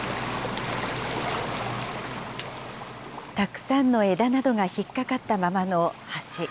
たくさんの枝などが引っかかったままの橋。